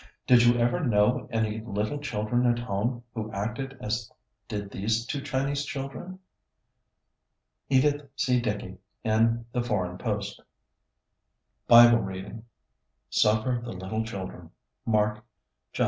Did you ever know any little children at home who acted as did these two Chinese children? (Edith C. Dickie in The Foreign Post.) BIBLE READING "Suffer the little children." Mark 10:13 16.